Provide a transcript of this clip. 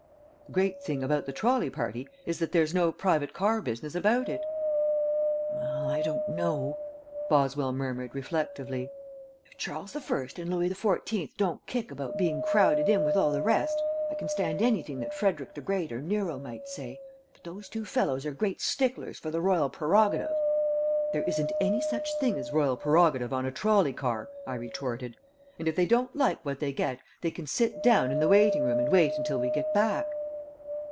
The great thing about the trolley party is that there's no private car business about it." "Well, I don't know," Boswell murmured, reflectively. "If Charles the First and Louis Fourteenth don't kick about being crowded in with all the rest, I can stand anything that Frederick the Great or Nero might say; but those two fellows are great sticklers for the royal prerogative." "There isn't any such thing as royal prerogative on a trolley car," I retorted, "and if they don't like what they get they can sit down in the waiting room and wait until we get back."